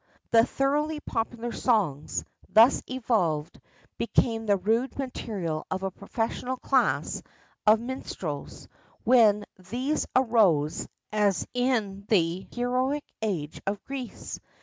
The thoroughly popular songs, thus evolved, became the rude material of a professional class of minstrels, when these arose, as in the heroic age of Greece.